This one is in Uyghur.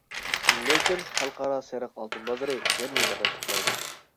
لېكىن خەلقئارا سېرىق ئالتۇن بازىرى يەنىلا بەرداشلىق بەردى.